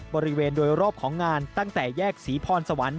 บริเวณโดยรอบของงานตั้งแต่แยกศรีพรสวรรค์